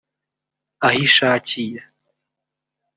Ahishakiye